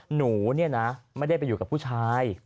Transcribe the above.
หนูเนี่ยนะไม่ได้ไปอยู่กับผู้ชาย